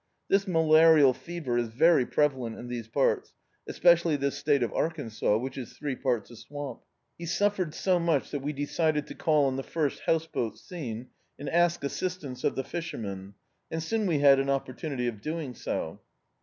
This malarial fever is very prevalent in these parts, especially this state of Arkansas, which is three parts a swamp. He suffered so much that we decided to call on the first house boat seen, and ask assistance of the fishermen, and soon we had an opportimity of doing so.